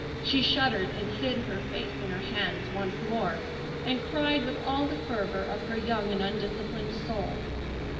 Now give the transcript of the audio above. She shuddered and hid her face in her hands once more and cried with all the fervor of her young and undisciplined soul.